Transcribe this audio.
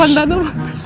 oke deh yok